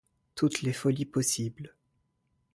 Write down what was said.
Toutes les folies possibles.